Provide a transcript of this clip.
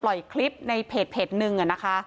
ปล่อยคลิปในเพจหนึ่งอะนะคะ